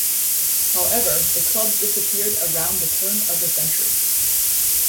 However, the club disappeared around the turn of the century.